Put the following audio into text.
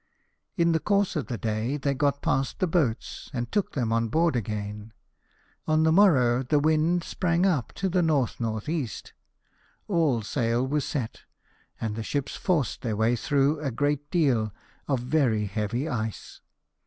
In the course of the day they got past the boats, and took them on board again. On the morrow the wind sprang up to the N.N.E. All sail was set, and the ships forced their way through a great deal of very heavy ice.